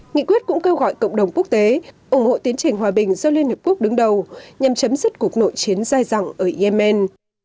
nghị quyết cũng kêu gọi cộng đồng quốc tế ủng hộ tiến trình hòa bình do liên hợp quốc đứng đầu nhằm chấm dứt cuộc nội chiến dài dẳng ở yemen